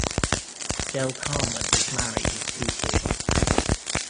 Del Carmen is married with two kids.